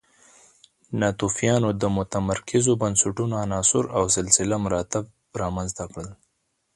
ناتوفیانو د متمرکزو بنسټونو عناصر او سلسله مراتب رامنځته کړل